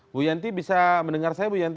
bu yenty bisa mendengar saya bu yenty